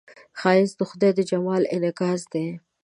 ښایست د خدای د جمال انعکاس دی